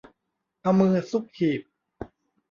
เอามือซุกหีบ